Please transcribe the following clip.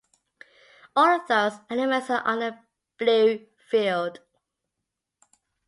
All of those elements are on a blue field.